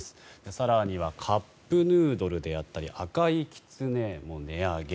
更にはカップヌードルであったり赤いきつねも値上げ。